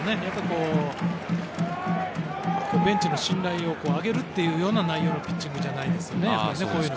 やっぱり、ベンチの信頼を上げるというような内容のピッチングじゃないですよね。